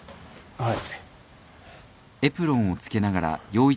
はい？